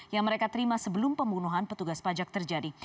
yang mereka terima sebelum pembunuhan petugas pajak terjadi